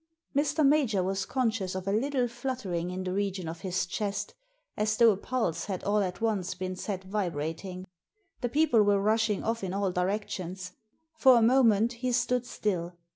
Mr. Major was conscious of a little fluttering in the region of his chest, as though a pulse had all at once been set vibrating. The people were rushing off in all directions. For a moment he stood still.